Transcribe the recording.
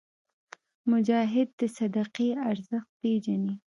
مجاهد د صدقې ارزښت پېژني.